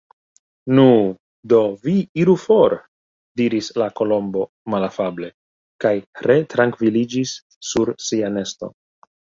"Nu, do, vi iru for!" diris la Kolombo malafable, kaj retrankviliĝis sur sia nesto.